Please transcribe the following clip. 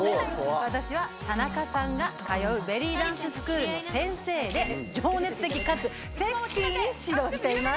私は田中さんが通うベリーダンススクールの先生で、情熱的かつセクシーに指導しています。